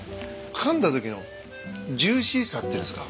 かんだときのジューシーさっていうんですか。